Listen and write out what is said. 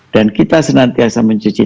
dan kita senantiasa mencuci